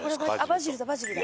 バジルだバジルだ。